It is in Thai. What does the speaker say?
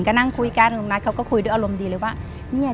ก็นั่งคุยกันลุงนัทเขาก็คุยด้วยอารมณ์ดีเลยว่าเนี่ย